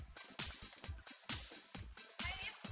sebentar saya ya